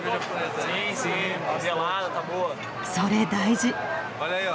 それ大事。